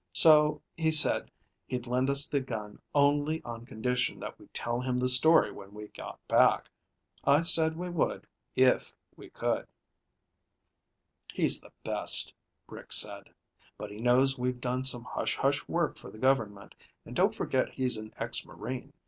So he said he'd lend us the gun only on condition that we tell him the story when we got back. I said we would, if we could." "He's the best," Rick said. "But he knows we've done some hush hush work for the government, and don't forget he's an ex Marine.